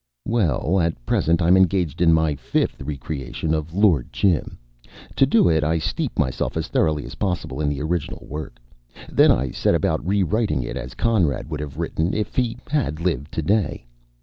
"Well, at present I am engaged in my fifth re creation of Lord Jim. To do it, I steep myself as thoroughly as possible in the original work. Then I set about rewriting it as Conrad would have written it if he had lived today.